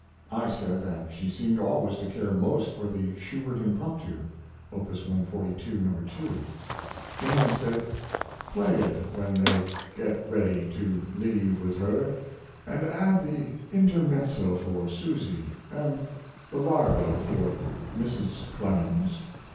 I said that she seemed always to care most for the Schubert Impromptu. [Op. 142, No. 2.] Then he said: "Play it when they get ready to leave with her, and add the Intermezzo for Susy and the Largo for Mrs. Clemens.